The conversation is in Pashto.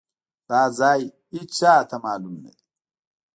دا ځای ايچاته مالوم ندی.